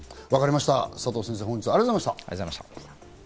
佐藤先生、本日はありがとうございました。